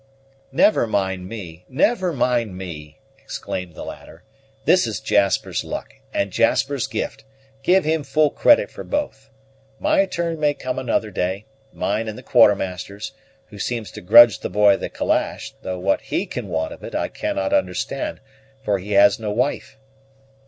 "Never mind me, never mind me!" exclaimed the latter; "this is Jasper's luck, and Jasper's gift: give him full credit for both. My turn may come another day; mine and the Quartermaster's, who seems to grudge the boy the calash; though what he can want of it I cannot understand, for he has no wife."